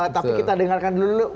tapi kita dengarkan dulu dulu